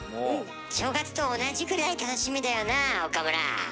正月と同じくらい楽しみだよなあ岡村。